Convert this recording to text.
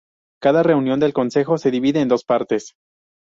Cada reunión del consejo se divide en dos partes.